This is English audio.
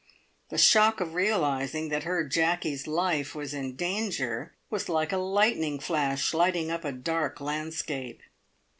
The shock of realising that her Jacky's life was in danger was like a lightning flash lighting up a dark landscape.